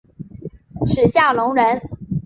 史夏隆人。